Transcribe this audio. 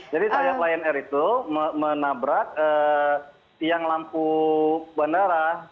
jadi sayap lion air itu menabrak tiang lampu bandara